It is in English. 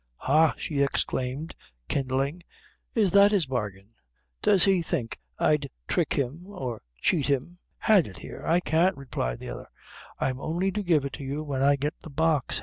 "Ha!" she exclaimed, kindling, "is that his bargain; does he think I'd thrick him or cheat him? hand it here." "I can't," replied the other; "I'm only to give it to you when I get the box."